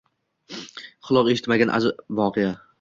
quloq eshitmagan ajib voqea —